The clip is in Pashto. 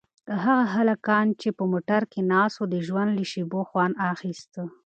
هغه هلکان چې په موټر کې ناست وو د ژوند له شېبو خوند اخیست.